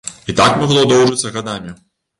І так магло доўжыцца гадамі.